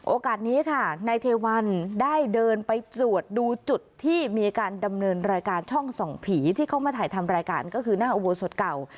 โอกาสนี้ค่ะนายเทวันได้เดินไปตรวจดูจุดที่มีการดำเนินรายการช่องส่องผีที่เข้ามาถ่ายทำรายการก็คือหน้าอุโบสถเก่า